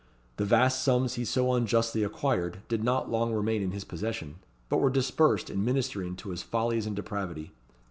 The vast sums he so unjustly acquired did not long remain in his possession, but were dispersed in ministering to his follies and depravity.